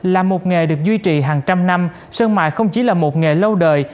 là một nghề được duy trì hàng trăm năm sân mại không chỉ là một nghề lâu đời